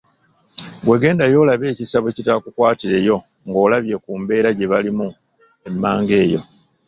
Gwe gendayo olabe ekisa bwe kitaakukwatireyo ng’olabye ku mbeera gye balimu emmanga eyo.